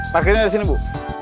pake ini dari sini bu